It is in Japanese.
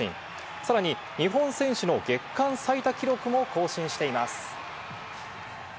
さらに日本選手の月間最多記録も更新しています。